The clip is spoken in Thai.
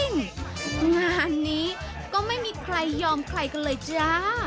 งานนี้ก็ไม่มีใครยอมใครกันเลยจ้า